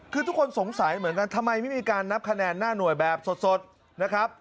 คือทุกคนสงสัยเหมือนกันทำไมไม่มีการนับคะแนนหน้าหน่วยแบบสดนะครับ